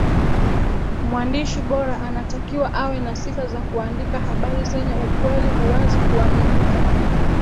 mwandishi bora anatakiwa awe na sifa za kuandika habari zenye ukweli uwazi kuaminika